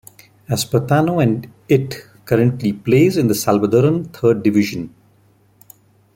Espartano and it currently plays in the Salvadoran Third Division.